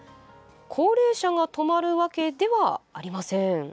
高齢者が泊まるわけではありません。